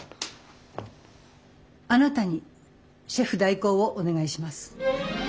あなたにシェフ代行をお願いします。